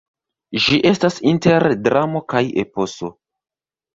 Ĝi estas inter dramo kaj eposo.